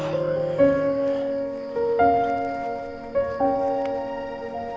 tidurnya jauh banget